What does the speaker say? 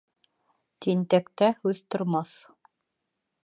Тинтәктә һүҙ тормаҫ.